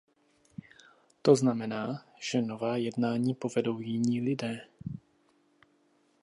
To znamená, že nová jednání povedou jiní lidé.